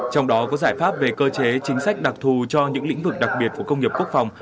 trong đó có giải pháp về cơ chế chính sách đặc thù cho những lĩnh vực đặc biệt của công nghiệp quốc phòng